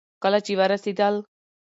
کله چې ورسېدل